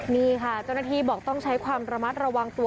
นี่ค่ะเจ้าหน้าที่บอกต้องใช้ความระมัดระวังตัว